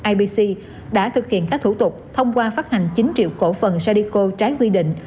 ibc đã thực hiện các thủ tục thông qua phát hành chín triệu cổ phần sadico trái quy định